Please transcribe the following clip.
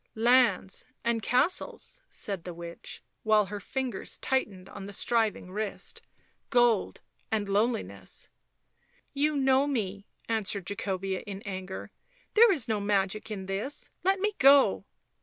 " Lands and castles,' 5 said the witch, while her fingers tightened on the striving wrist. " Gold and loneliness 55 " You know me," answered Jacobea, in anger. " There is no magic in this ... let me go